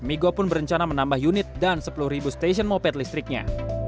migo pun berencana menambah unit dan sepuluh stasiun moped listriknya